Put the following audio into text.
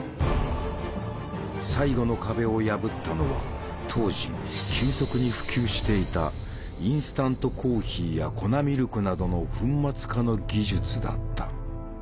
最後の壁を破ったのは当時急速に普及していたインスタントコーヒーや粉ミルクなどの粉末化の技術だった。